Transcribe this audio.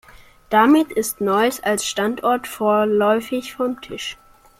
Damit ist Neuss als Standort vorläufig vom Tisch.